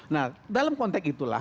nah dalam konteks itulah